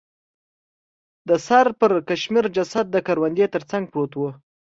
د سر پړکمشر جسد د کروندې تر څنګ پروت و.